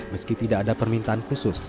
meski tidak ada permintaan khusus